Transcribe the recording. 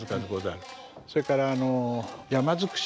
それから山尽し。